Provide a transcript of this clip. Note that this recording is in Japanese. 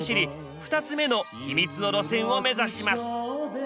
２つ目の秘密の路線を目指します。